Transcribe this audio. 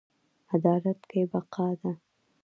عدالت کې بقا ده